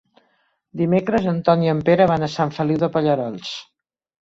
Dimecres en Ton i en Pere van a Sant Feliu de Pallerols.